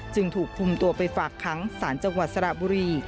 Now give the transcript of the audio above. จึงถูกคุมตัวไปฝากค้างศาลจังหวัดสระบุรี